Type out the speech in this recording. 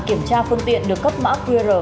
kiểm tra phương tiện được cấp mã qr